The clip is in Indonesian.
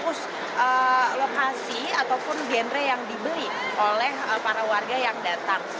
jadi ini adalah pus lokasi ataupun genre yang dibeli oleh para warga yang datang